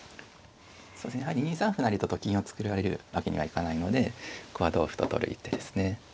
そうですねやはり２三歩成とと金を作られるわけにはいかないのでここは同歩と取る一手ですね。